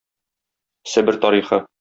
Себер тарихы.